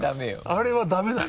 あれはダメなの？